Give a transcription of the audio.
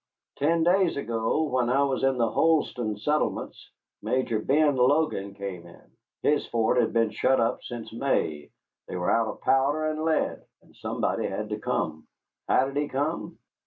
Ten days ago, when I was in the Holston settlements, Major Ben Logan came in. His fort had been shut up since May, they were out of powder and lead, and somebody had to come. How did he come?